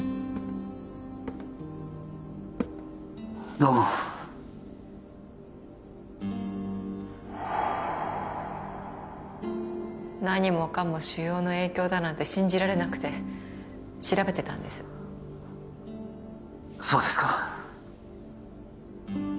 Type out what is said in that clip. どうも何もかも腫瘍の影響だなんて信じられなくて調べてたんですそうですか